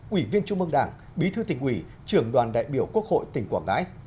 ủy viên trung mương đảng bí thư tỉnh ủy trưởng đoàn đại biểu quốc hội tỉnh quảng ngãi